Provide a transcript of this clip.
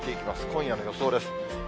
今夜の予想です。